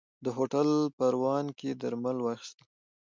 ده هوټل پروان کې درمل واخيستل.